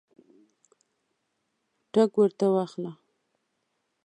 ټګ ورته واخله.